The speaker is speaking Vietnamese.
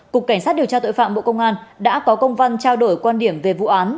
cục cảnh sát điều tra tội phạm bộ công an đã có công văn trao đổi quan điểm về vụ án